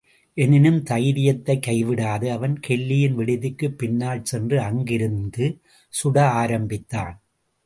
எனினும் தைரியத்தைக் கைவிடாது அவன் கெல்லியின் விடுதிக்குப் பின்னால் சென்று அங்கிருந்து சுட ஆரம்பித்தான்.